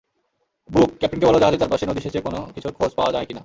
ব্যুক, ক্যাপ্টেনকে বলো জাহাজের চারপাশে নদী সেঁচে কোনও কিছুর খোঁজ পাওয়া যায় কিনা!